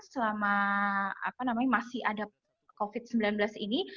selama masih ada covid sembilan belas ini